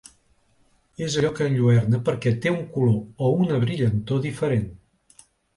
És allò que enlluerna perquè té un color o una brillantor diferent.